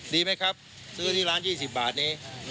ดีไหมครับซื้อที่ร้าน๒๐บาทนี้